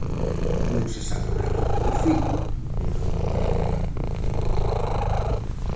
-Non se sabe nada do meu fillo? -volveu tomar a palabra-.